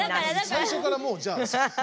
最初からもうじゃあ。